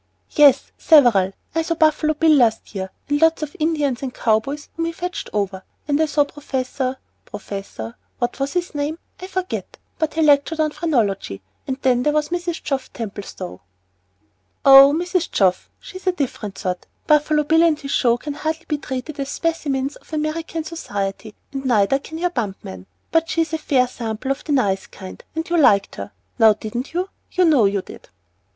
"Yes, several. I saw Buffalo Bill last year, and lots of Indians and cow boys whom he had fetched over. And I saw Professor Professor what was his name? I forget, but he lectured on phrenology; and then there was Mrs. Geoff Templestowe." "Oh Mrs. Geoff she's a different sort. Buffalo Bill and his show can hardly be treated as specimens of American society, and neither can your bump man. But she's a fair sample of the nice kind; and you liked her, now didn't you? you know you did."